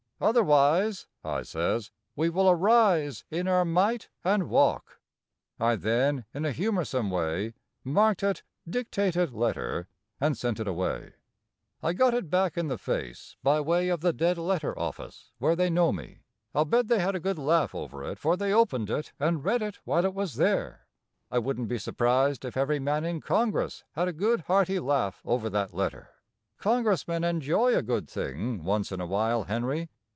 Otherwise," I says, "we will arise in our might and walk." I then, in a humorsome way, marked it "dictated letter" and sent it away. I got it back in the face by way of the dead letter office where they know me. I'll bet they had a good laugh over it, for they opened it and read it while it was there. I wouldn't be surprised if every man in Congress had a good hearty laugh over that letter. Congressmen enjoy a good thing once in a while, Henry.